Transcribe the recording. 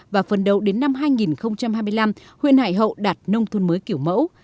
và phần đầu đến năm hai nghìn hai mươi năm huyện hải hậu đạt nông thôn mới kiểu mẫu